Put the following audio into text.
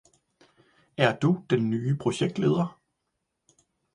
Er du den nye projektleder?